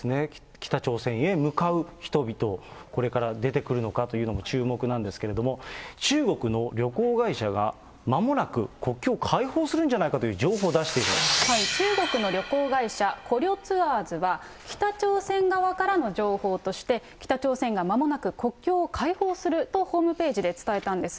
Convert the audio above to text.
北朝鮮へ向かう人々、これから出てくるのかというのも注目なんですけれども、中国の旅行会社がまもなく国境開放するんじゃないかという情報を中国の旅行会社、コリョ・ツアーズは北朝鮮側からの情報として、北朝鮮がまもなく国境を開放するとホームページで伝えたんです。